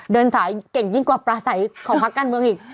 เดินสายเก่งยิ่งกว่าปลาใสของพักการเมืองอีก